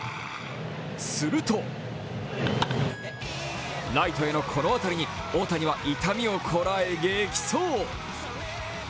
すると、ライトへのこのあたりに大谷は痛みをこらえ激走。